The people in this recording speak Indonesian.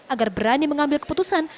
agar berani mengambil keputusan